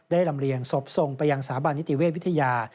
ได้ลำเรียงศพส่งไปยังสาบานิติเวทย์วิทยา